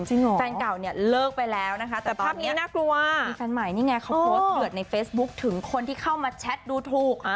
จริงเหรอแต่ตอนนี้น่ากลัวมีแฟนใหม่นี่ไงเขาโพสต์เบือดในเฟซบุ๊คถึงคนที่เข้ามาแชทดูถูก